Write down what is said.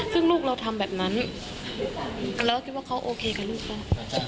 ซึ่งลูกเราทำแบบนั้นเราก็คิดว่าเขาโอเคกับลูกเขา